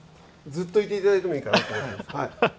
ずっといていただいてもいいから。